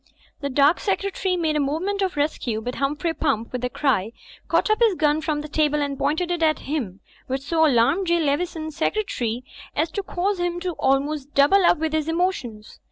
The dark secretary made a movement of rescue, but Humphrey Pump, with a cry, caught up his gun from the table and pointed it at him, which so alarmed J. Leveson, Secretary, as to cause him almost to double up with his emotions.